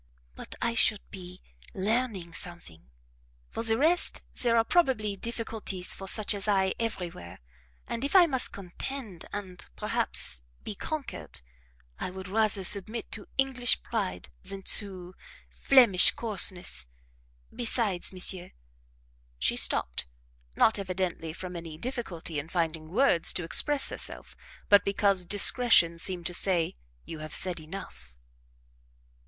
"But I should be learning something; for the rest, there are probably difficulties for such as I everywhere, and if I must contend, and perhaps be conquered, I would rather submit to English pride than to Flemish coarseness; besides, monsieur " She stopped not evidently from any difficulty in finding words to express herself, but because discretion seemed to say, "You have said enough."